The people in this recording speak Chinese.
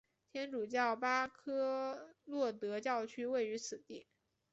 天主教巴科洛德教区位于此地。